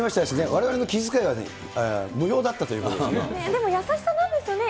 われわれの気遣いは無用だったということですね。